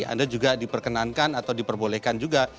anda juga diperkenankan atau diperbolehkan juga